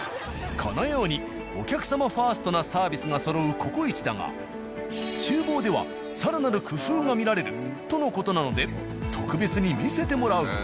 このようにお客様ファーストなサ―ビスがそろう「ココイチ」だが厨房では更なる工夫が見られるとの事なので特別に見せてもらう。